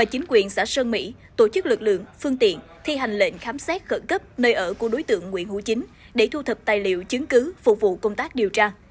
chính quyền xã sơn mỹ tổ chức lực lượng phương tiện thi hành lệnh khám xét khẩn cấp nơi ở của đối tượng nguyễn hữu chính để thu thập tài liệu chứng cứ phục vụ công tác điều tra